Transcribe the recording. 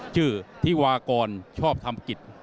ธิวากรชอบทำกิจ